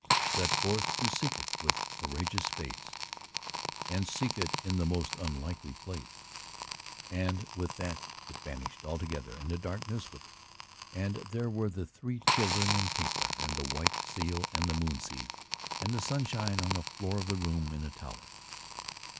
"Set forth to seek it with courageous face. And seek it in the most unlikely place." And with that it vanished altogether, and the darkness with it; and there were the three children and Tinkler and the white seal and the moon seeds and the sunshine on the floor of the room in the tower.